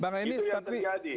bang remis tapi